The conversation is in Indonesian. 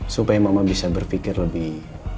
supaya mama bisa berpikir lebih